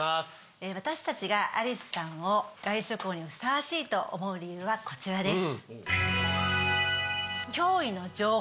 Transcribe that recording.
私たちがアリスさんを外食王にふさわしいと思う理由はこちらです。